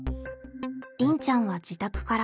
りんちゃんは自宅から。